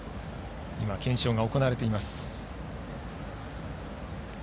検証が行われています。